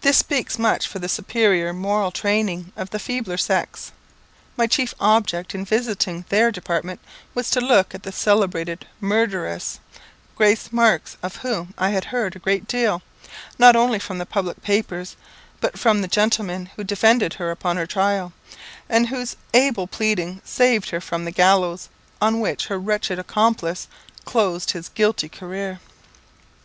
This speaks much for the superior moral training of the feebler sex. My chief object in visiting their department was to look at the celebrated murderess, Grace Marks, of whom I had heard a great deal, not only from the public papers, but from the gentleman who defended her upon her trial, and whose able pleading saved her from the gallows, on which her wretched accomplice closed his guilty career.